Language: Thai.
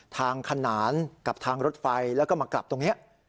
ขนานกับทางรถไฟแล้วก็มากลับตรงนี้